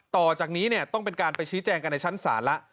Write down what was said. ต่อจากนี้เนี่ยต้องเป็นการไปชี้แจงกันในชั้นศาลแล้ว